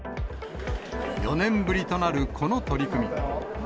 ４年ぶりとなるこの取り組み。